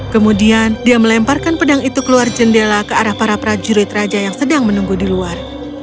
kemudian dia melemparkan pedang itu keluar jendela ke arah para prajurit raja yang sedang menunggu di luar